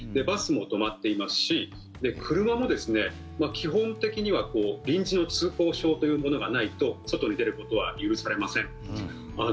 バスも止まっていますし車も基本的には臨時の通行証というものがないと外に出ることは許されません。